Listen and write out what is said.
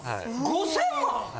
５０００万！？